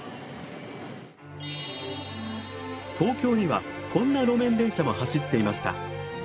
東京にはこんな路面電車も走っていました。